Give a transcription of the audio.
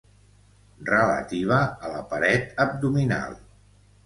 Relativa a la paret abdominal.